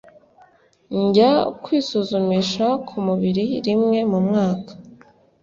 njya kwisuzumisha kumubiri rimwe mumwaka